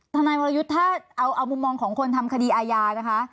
ทนายวรยุทธ์ถ้าเอามุมมองของคนทำคดีอาญานะคะ